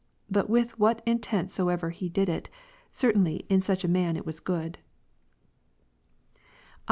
But with what intent soever he did it, certainly in such a man it was good. 4.